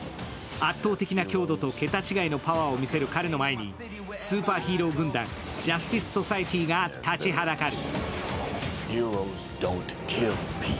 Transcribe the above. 圧倒的な強度と桁違いのパワーを見せる彼の前にスーパーヒーロー軍団、ジャスティス・ソサエティが立ちはだかる。